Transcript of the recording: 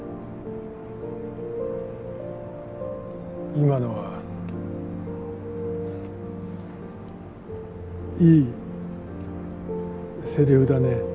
今のはいいセリフだね。